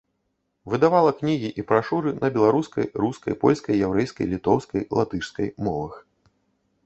Выдавала кнігі і брашуры на беларускай, рускай, польскай, яўрэйскай, літоўскай, латышскай мовах.